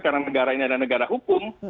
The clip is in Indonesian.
karena negara ini adalah negara hukum